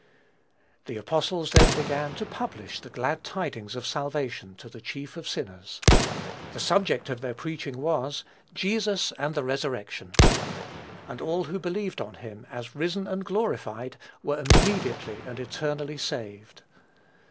The apostles then began to publish the glad tidings of salvation to the chief of sinners. The subject of their preaching was, "Jesus and the resurrection." And all who believed on him as risen and glorified were immediately and eternally saved.